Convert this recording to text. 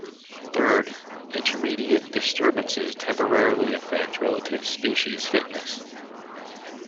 Third, intermediate disturbances temporarily affect relative species fitness.